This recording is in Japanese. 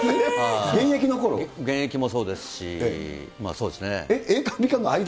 現役もそうですし、そうですね。